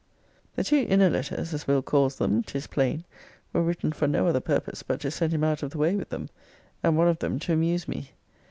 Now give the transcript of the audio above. The two inner letters, as Will. calls them, 'tis plain, were written for no other purpose, but to send him out of the way with them, and one of them to amuse me.